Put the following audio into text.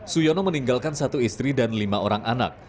suyono meninggalkan satu istri dan lima orang anak